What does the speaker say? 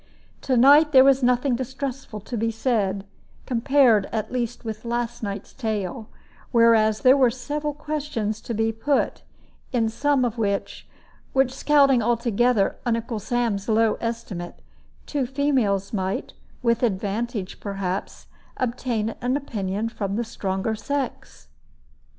To night there was nothing distressful to be said, compared, at least, with last night's tale; whereas there were several questions to be put, in some of which (while scouting altogether Uncle Sam's low estimate) two females might, with advantage perhaps, obtain an opinion from the stronger sex.